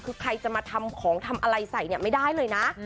คือใครจะมาทำของทำอะไรใส่เนี่ยไม่ได้เลยนะ